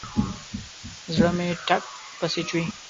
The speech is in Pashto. زړه مې ټک پسې چوي.